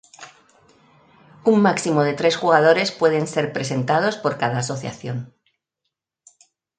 Un máximo de tres jugadores pueden ser presentados por cada asociación.